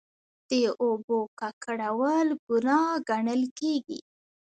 د اوبو ککړول ګناه ګڼل کیږي.